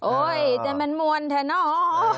โอ้ยแต่มันมวลแทนเนอะ